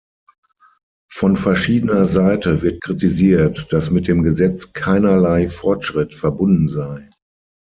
Von verschiedener Seite wird kritisiert, dass mit dem Gesetz keinerlei Fortschritt verbunden sei.